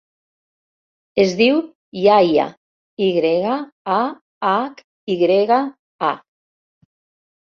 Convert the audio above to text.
Es diu Yahya: i grega, a, hac, i grega, a.